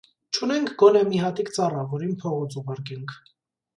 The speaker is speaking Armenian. չունենք գոնե մի հատիկ ծառա, որին փողոց ուղարկենք: